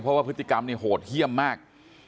เพราะว่าพฤติกรรมเนี่ยโหดเยี่ยมมาก